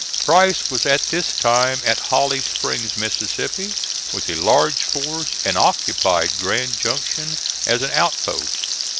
Price was at this time at Holly Springs, Mississippi, with a large force, and occupied Grand Junction as an outpost.